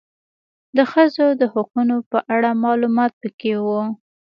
د ښځو د حقونو په اړه معلومات پکي و